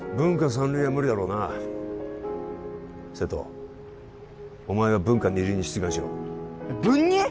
３類は無理だろうな瀬戸お前は文科２類に出願しろ文２！？